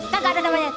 kagak ada namanya